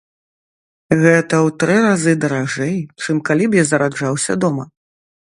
Гэта ў тры разы даражэй, чым калі б я зараджаўся дома!